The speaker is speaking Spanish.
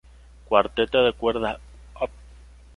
Cuarteto de cuerdas Op.